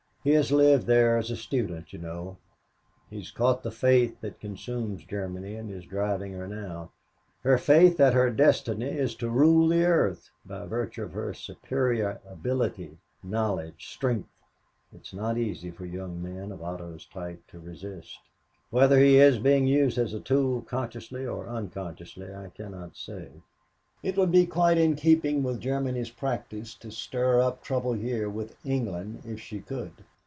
He has lived there as a student, you know. He has caught the faith that consumes Germany and is driving her now her faith that her destiny is to rule the earth by virtue of her superior ability, knowledge, strength. It's not easy for young men of Otto's type to resist. Whether he is being used as a tool consciously or unconsciously, I cannot say. It would be quite in keeping with Germany's practice to stir up trouble here with England if she could.